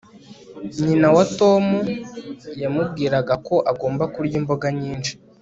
nyina wa tom yamubwiraga ko agomba kurya imboga nyinshi